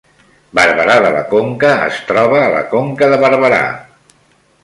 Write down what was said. Barberà de la Conca es troba a la Conca de Barberà